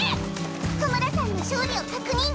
ホムラさんの勝利を確認！